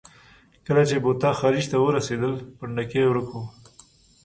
کله چې بوتا خلیج ته ورسېدل، پنډکی یې ورک و.